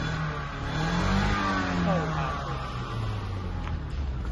動彈不得